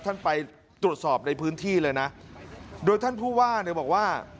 ท่านไปตรวจสอบในพื้นที่เลยนะโดยท่านผู้ว่าเนี่ยบอกว่า